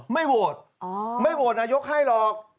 ไม่โหวตไม่โหวตนายกให้หรอก